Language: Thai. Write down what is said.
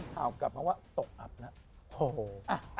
ข่าวกลับมาว่าตกอับแล้ว